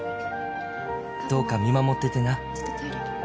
「どうか見守っててな」